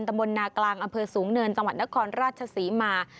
บนนากลางอำเภอสูงเนินจังหวัดนครราชศรีมา